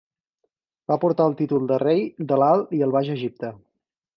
Va portar el títol de rei de l'Alt i el Baix Egipte.